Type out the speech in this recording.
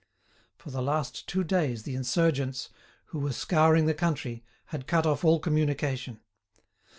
For the last two days the insurgents, who were scouring the country, had cut off all communication.